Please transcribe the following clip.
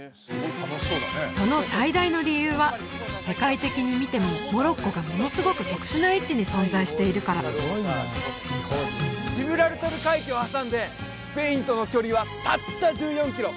その最大の理由は世界的に見てもモロッコがものすごく特殊な位置に存在しているからジブラルタル海峡を挟んでスペインとの距離はたった１４キロ